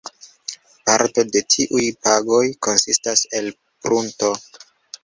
Parto de tiuj pagoj konsistas el prunto.